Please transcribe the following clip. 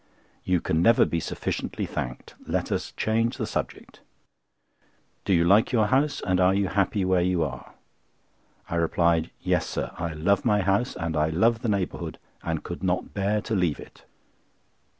You can never be sufficiently thanked. Let us change the subject. Do you like your house, and are you happy where you are?" I replied: "Yes, sir; I love my house and I love the neighbourhood, and could not bear to leave it."